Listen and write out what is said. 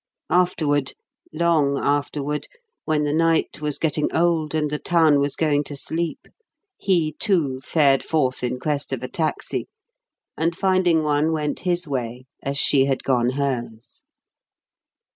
Afterward long afterward: when the night was getting old and the town was going to sleep, he, too, fared forth in quest of a taxi, and finding one went his way as she had gone hers.